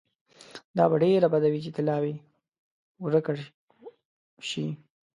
دا به ډېره بده وي چې طلاوي ورکړه شي.